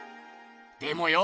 でもよ